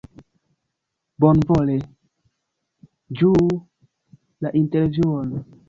Bonvole ĝuu la intervjuon!